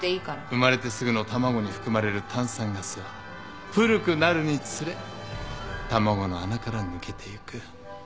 生まれてすぐの卵に含まれる炭酸ガスは古くなるにつれ卵の穴から抜けてゆく。